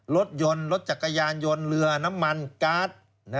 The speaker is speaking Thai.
รถยนต์รถจักรยานยนต์เรือน้ำมันการ์ด